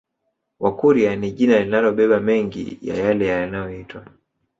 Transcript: Wakurya ni jina linalobeba mengi ya yale yanaoyoitwa